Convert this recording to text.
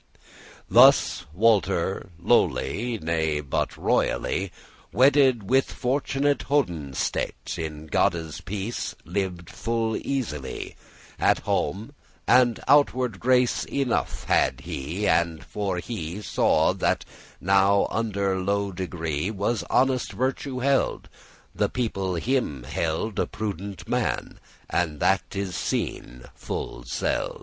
Thus Walter lowly, — nay, but royally, Wedded with fortn'ate honestete,* *virtue In Godde's peace lived full easily At home, and outward grace enough had he: And, for he saw that under low degree Was honest virtue hid, the people him held A prudent man, and that is seen full seld'.